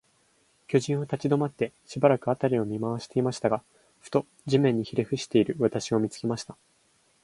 巨人は立ちどまって、しばらく、あたりを見まわしていましたが、ふと、地面にひれふしている私を、見つけました。